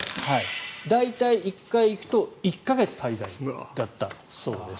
大体１回行くと１か月滞在だったそうです。